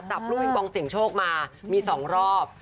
จับลูกปิงปองเสียงโชคมามี๒รอบ